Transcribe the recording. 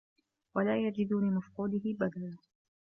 وَلَا يَجِدُ لِمَفْقُودِهِ بَدَلًا